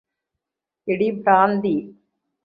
എടീ ഭ്രാന്തി